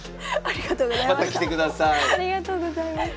ありがとうございます。